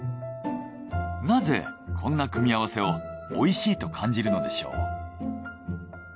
なぜこんな組み合わせを美味しいと感じるのでしょう？